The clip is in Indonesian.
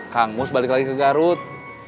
kang mus balik lagi ke garut